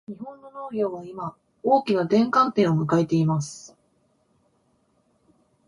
日本の農業は今、大きな転換点を迎えています。